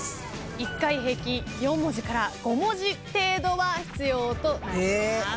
１回平均４文字から５文字程度は必要となります。